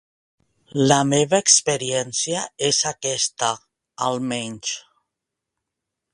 La meva experiència és aquesta, almenys.